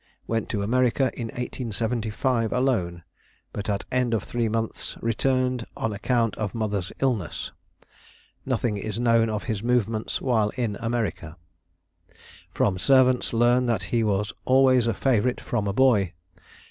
Went to America in 1875 alone, but at end of three months returned on account of mother's illness. Nothing is known of his movements while in America. "From servants learn that he was always a favorite from a boy.